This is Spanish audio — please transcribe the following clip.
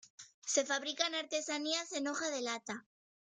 Se fabrican artesanías en hoja de lata.